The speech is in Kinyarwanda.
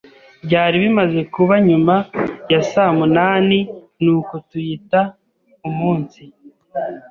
Byari bimaze kuba nyuma ya saa munani, nuko tuyita umunsi.